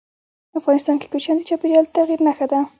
افغانستان کې کوچیان د چاپېریال د تغیر نښه ده.